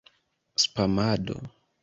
spamado